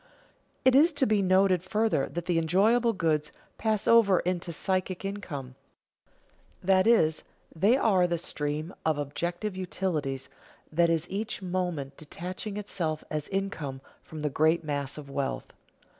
It is to be noted further that the enjoyable goods pass over into psychic income, that is, they are the stream of objective utilities that is each moment detaching itself as income from the great mass of wealth.